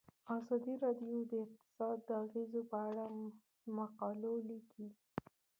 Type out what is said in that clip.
ازادي راډیو د اقتصاد د اغیزو په اړه مقالو لیکلي.